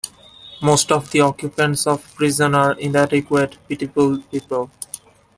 Most of the occupants of prison are inadequate, pitiful people.